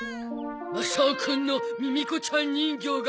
マサオくんのミミ子ちゃん人形がなくなった。